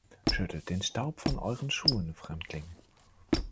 Schüttelt den Staub von Euren Schuhen, Fremdling.